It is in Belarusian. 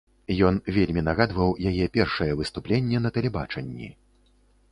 Ён вельмі нагадваў яе першае выступленне на тэлебачанні.